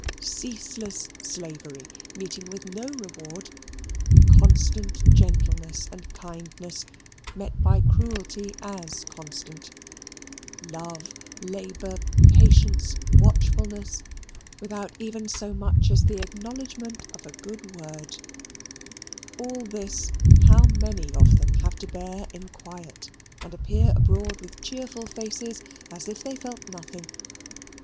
Ceaseless slavery meeting with no reward; constant gentleness and kindness met by cruelty as constant; love, labour, patience, watchfulness, without even so much as the acknowledgement of a good word; all this, how many of them have to bear in quiet, and appear abroad with cheerful faces as if they felt nothing.